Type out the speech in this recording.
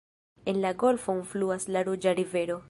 En la golfon fluas la ruĝa rivero.